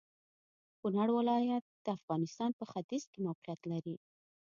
کونړ ولايت د افغانستان په ختيځ کې موقيعت لري.